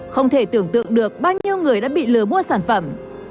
không thể tưởng tượng được bao nhiêu người đã bị lừa mua sản phẩm